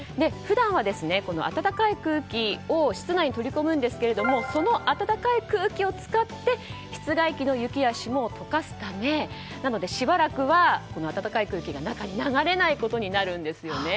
普段は暖かい空気を室内に取り込むんですけどもその暖かい空気を使って室外の雪や霜を溶かすためなのでしばらくは暖かい空気が中に流れないことになるんです。